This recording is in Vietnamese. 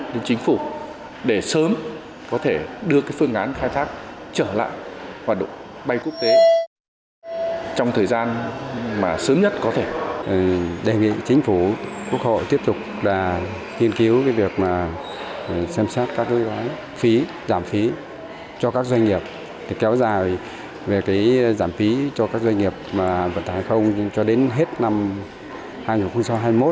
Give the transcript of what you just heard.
đến chính phủ để sớm có thể đưa phương án khai phát trở lại hoạt động